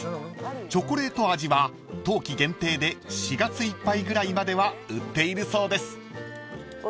［チョコレート味は冬季限定で４月いっぱいぐらいまでは売っているそうです］